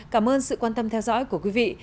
cảm ơn sự quan tâm theo dõi của quý vị